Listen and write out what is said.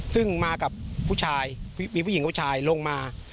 ซึ่งมากับผู้ชายมีผู้หญิงผู้ชายลงมา